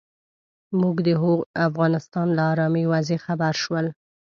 هغوی د افغانستان له ارامې وضعې خبر شول.